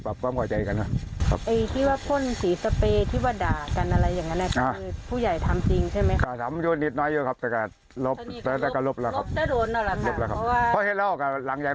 แต่มีความเสียใจหรือเปล่า